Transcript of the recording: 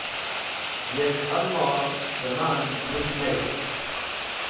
Yet amo cẽ ma’n mũsh mey.